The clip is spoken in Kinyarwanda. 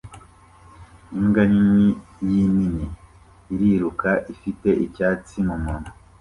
Imbwa nini yinini iriruka ifite icyatsi mumunwa